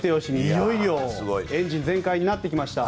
いよいよエンジン全開になってきました。